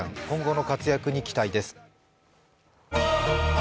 今後の活躍に期待です。